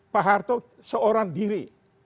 pak harto seorang diri